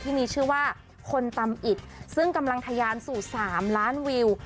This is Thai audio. ที่มีชื่อว่าคนตำอิดซึ่งกำลังทะยานสู่๓ล้านวิว